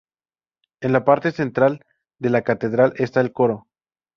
En la parte central de la Catedral está el Coro.